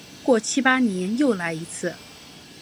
过七八年又来一次。